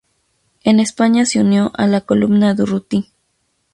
En España se unió a la Columna Durruti.